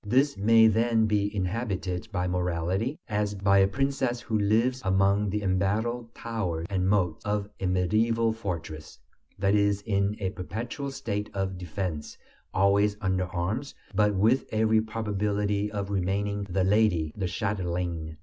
This may then be inhabited by morality, as by a princess who lives among the embattled towers and moats of a medieval fortress that is in a perpetual state of defense, always under arms, but with every probability of remaining the "lady," the "châtelaine."